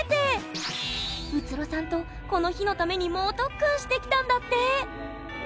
宇津呂さんとこの日のために猛特訓してきたんだって！